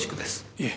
いえ。